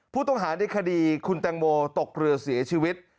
ผู้ต้องหาในคดีคุณแตงโมตกเรือเสียชีวิต